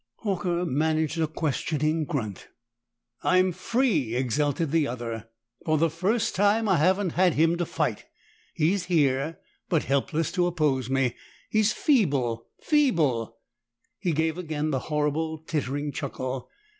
Horker managed a questioning grunt. "I'm free!" exulted the other. "For the first time I haven't him to fight! He's here, but helpless to oppose me he's feeble feeble!" He gave again the horrible tittering chuckle.